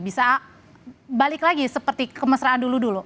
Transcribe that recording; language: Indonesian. bisa balik lagi seperti kemesraan dulu dulu